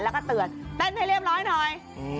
แล้วก็เตือนเต้นให้เรียบร้อยหน่อย